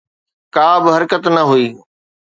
ڪابه حرڪت نه هئي.